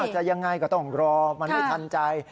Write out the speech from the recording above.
จะยังไงก็ต้องรอมันไม่ทันใจ